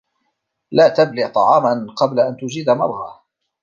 لَا تَبْلِعْ طَعَامًا قَبْلَ أَنْ تُجِيدَ مَضْغَهُ.